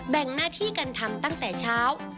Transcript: งหน้าที่กันทำตั้งแต่เช้า